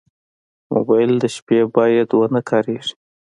موبایل د شپې باید ونه کارېږي.